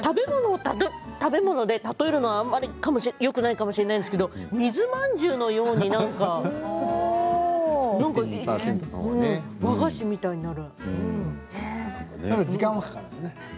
食べるもので例えるのはあまりよくないかもしれないですけど水まんじゅうのように何か和菓子みたいになる。